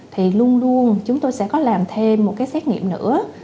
thì luôn luôn chúng tôi sẽ có làm thêm một cái xét nghiệm nữa